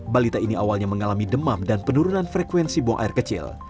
balita ini awalnya mengalami demam dan penurunan frekuensi buang air kecil